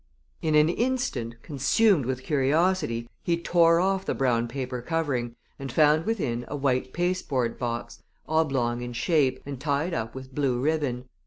In an instant, consumed with curiosity, he tore off the brown paper covering, and found within a white pasteboard box, oblong in shape, and tied up with blue ribbon.